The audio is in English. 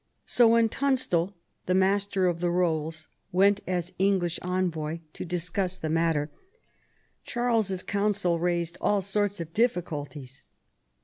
So when Tunstal, the Master of the Eolls, went as English envoy to discuss the matter, Charles's Council raised all sorts of difficulties.